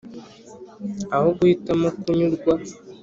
aho guhitamo kunyurwa.